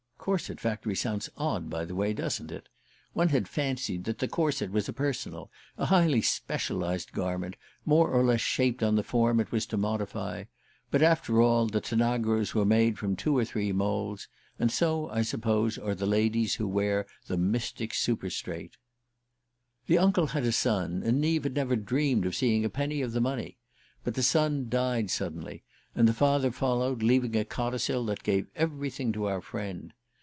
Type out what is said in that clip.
(Corset factory sounds odd, by the way, doesn't it? One had fancied that the corset was a personal, a highly specialized garment, more or less shaped on the form it was to modify; but, after all, the Tanagras were all made from two or three moulds and so, I suppose, are the ladies who wear the Mystic Super straight.) The uncle had a son, and Neave had never dreamed of seeing a penny of the money; but the son died suddenly, and the father followed, leaving a codicil that gave everything to our friend.